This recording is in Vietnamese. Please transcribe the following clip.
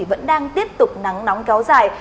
vẫn đang tiếp tục nắng nóng kéo dài